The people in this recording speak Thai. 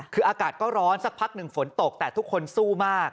คืออากาศก็ร้อนสักพักหนึ่งฝนตกแต่ทุกคนสู้มาก